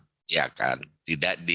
tidak dialirkan curahnya